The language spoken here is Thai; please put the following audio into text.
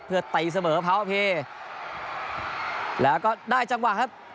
เพื่อตีเสมอพาวเพแล้วก็ได้จังหวะครับ